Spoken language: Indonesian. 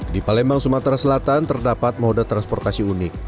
di palembang sumatera selatan terdapat moda transportasi unik